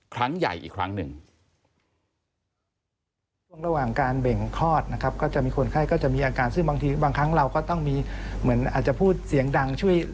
ครั้งใหญ่อีกครั้งหนึ่ง